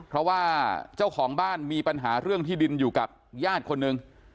เพราะว่าเจ้าของบ้านมีปัญหาเรื่องที่ดินอยู่กับญาติคนหนึ่ง